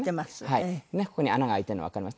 ここに穴が開いているのわかりますね。